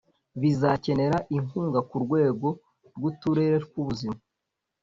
bizakenera inkunga ku rwego rw'uterere tw'ubuzima